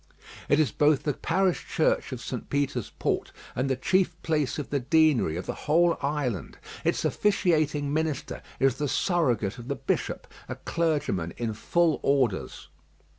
It is both the parish church of St. Peter's Port and the chief place of the Deanery of the whole island. Its officiating minister is the surrogate of the bishop, a clergyman in full orders.